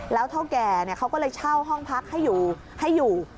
แล้วเท่าแก่เขาก็เลยเช่าห้องพักให้อยู่